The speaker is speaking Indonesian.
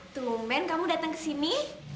tunggu men kamu dateng kesini